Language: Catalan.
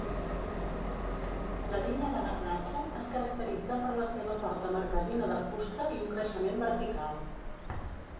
La vinya de garnatxa es caracteritza per la seva forta marquesina de fusta i un creixement vertical.